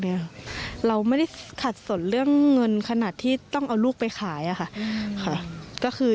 เราไม่ได้ขัดสนเรื่องเงินขนาดที่ต้องเอาลูกไปขายอะค่ะค่ะก็คือ